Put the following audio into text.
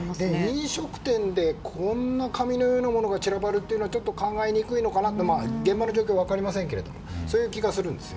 飲食店でこんな紙のようなものが散らばるのは考えにくいのかなと現場の状況は分かりませんけどもそういう気がするんです。